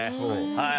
はい。